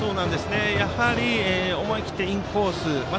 やはり思い切ってインコース。